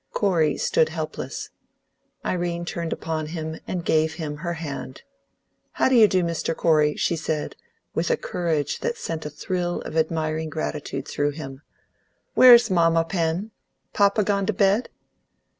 Corey stood helpless. Irene turned upon him, and gave him her hand. "How do you do, Mr. Corey?" she said, with a courage that sent a thrill of admiring gratitude through him. "Where's mamma, Pen? Papa gone to bed?"